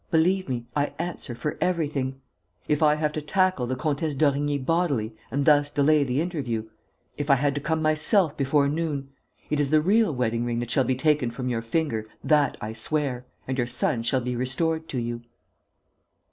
Believe me ... I answer for everything.... If I have to tackle the Comtesse d'Origny bodily and thus delay the interview.... If I had to come myself before noon ... it is the real wedding ring that shall be taken from your finger that I swear! and your son shall be restored to you."